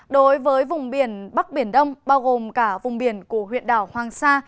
đối với vùng biển bắc biển đông bao gồm cả vùng biển của huyện đảo hoàng sa